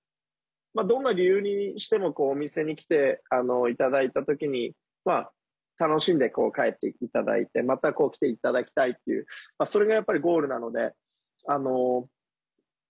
どんな理由にしてもお店に来ていただいたときに楽しんで帰っていただいてまた来ていただきたいというそれが、やっぱりゴールなので。